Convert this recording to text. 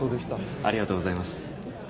ありがとうございます。